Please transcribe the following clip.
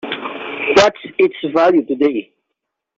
What's its value today?